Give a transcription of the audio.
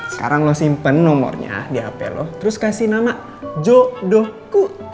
sekarang lo simpen nomornya di hp loh terus kasih nama jodohku